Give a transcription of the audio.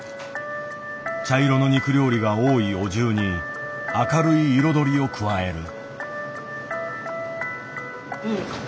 茶色の肉料理が多いお重に明るい彩りを加える。